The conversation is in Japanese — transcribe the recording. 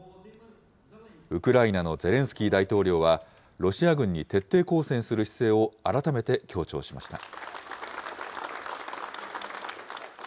ウクライナのゼレンスキー大統領は、ロシア軍の徹底抗戦する姿勢を改めて強調しました。